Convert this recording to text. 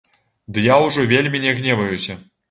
Ды я ўжо вельмі не гневаюся.